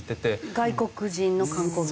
外国人の観光客の？